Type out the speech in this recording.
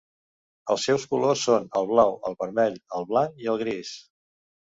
Els seus colors són el blau, el vermell, el blanc i el gris.